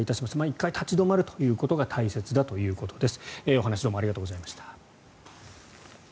１回立ち止まるということが大切だということです。